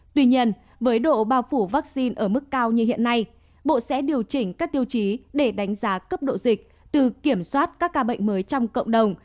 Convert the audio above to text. tuy nhiên với độ bao phủ vaccine ở mức cao như hiện nay bộ sẽ điều chỉnh các tiêu chí để đánh giá cấp độ dịch từ kiểm soát các ca bệnh mới trong cộng đồng